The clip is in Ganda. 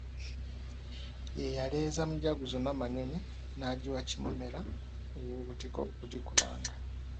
Ye yaleeza Mujaguzo Nnamanyonyi n'agiwa Kimoomera ow'Obutiko okugikubanga.